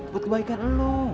buat kebaikan lo